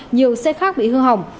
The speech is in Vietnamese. nhiều xe khác bị hư hỏng